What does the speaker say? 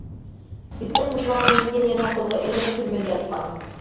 بىتىم بۇزۇلغاندىن كېيىن يەنە قولغا ئېلىنىپ تۈرمىدە ياتقان.